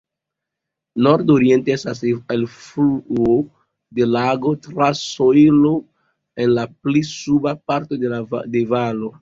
Nordoriente estas elfluo de lago, tra sojlo en la pli suba parto de valo.